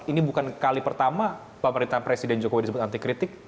ini bukan kali pertama pemerintahan presiden jokowi disebut anti kritik